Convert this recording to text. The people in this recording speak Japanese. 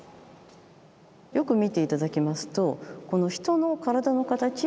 よく見て頂きますと人の体の形。